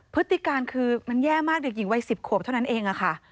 พฤติการคือมันแย่มากเด็กหญิงวัย๑๐ขวบเท่านั้นเองค่ะ